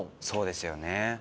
そうですよね。